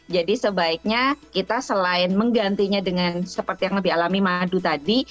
jadi sebaiknya kita selain menggantinya dengan seperti yang lebih alami madu tadi